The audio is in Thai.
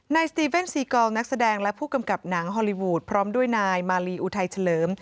สตีเว่นซีกองนักแสดงและผู้กำกับหนังฮอลลีวูดพร้อมด้วยนายมาลีอุทัยเฉลิม